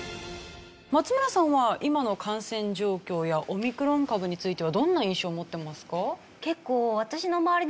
松村さんは今の感染状況やオミクロン株についてはどんな印象を持ってますか？